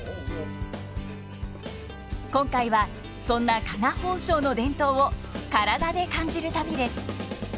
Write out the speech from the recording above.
今回はそんな加賀宝生の伝統を体で感じる旅です。